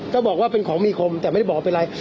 เขาบอกว่าเป็นของภีคมแต่ไม่ได้บอกว่าเป็นอะไร